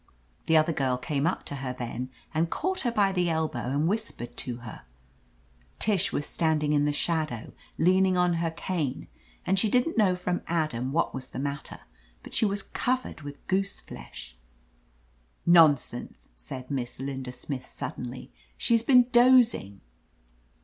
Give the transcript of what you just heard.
The other girl came up to her then and caught her by the elbow and whispered to her. Tish was standing in the shadow, leaning on her cane, and she didn't know from Adam what was the matter, but she was covered with goose flesh. "Nonsense 1" said Miss Linda Smith sud denly. "She's been dozing."